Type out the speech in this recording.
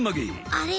あれ？